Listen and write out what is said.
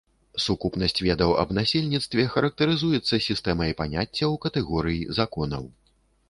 Сукупнасць ведаў аб насельніцтве характарызуецца сістэмай паняццяў, катэгорый, законаў.